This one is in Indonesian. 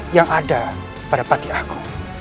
yang ada pada pagi aku